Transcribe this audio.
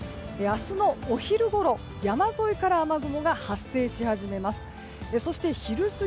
明日のお昼ごろ山沿いから雨雲が発生し始めます。